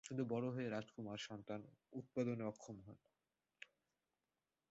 কিন্তু বড়ো হয়ে রাজকুমার সন্তান উৎপাদনে অক্ষম হন।